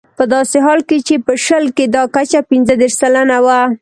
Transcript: په داسې حال کې چې په شل کې دا کچه پنځه دېرش سلنه وه.